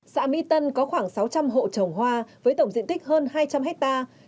xã mỹ tân có khoảng sáu trăm linh hộ trồng hoa với tổng diện tích hơn hai trăm linh hectare